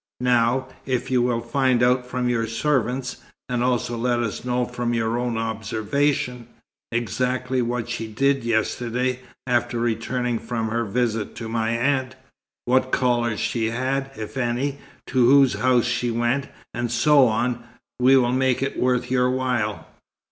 Now, if you will find out from your servants, and also let us know from your own observation, exactly what she did yesterday, after returning from her visit to my aunt what callers she had, if any; to whose house she went, and so on we will make it worth your while.